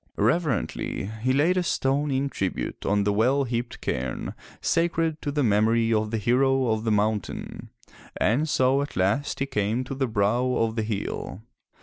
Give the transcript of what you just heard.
Reverently he laid a stone in tribute on the well heaped cairni sacred to the memory of the hero of the mountain, and so at last he came to the brow of the hill.